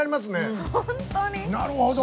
なるほど！